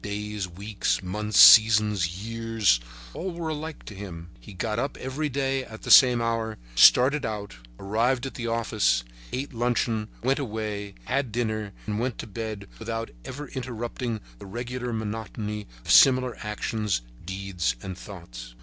Days, weeks, months, seasons, years, all were alike to him. He got up every day at the same hour, started out, arrived at the office, ate luncheon, went away, had dinner and went to bed without ever interrupting the regular monotony of similar actions, deeds and thoughts.